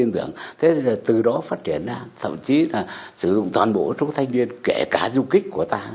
thế từ đó phát triển ra thậm chí là sử dụng toàn bộ số thanh niên kể cả du kích của ta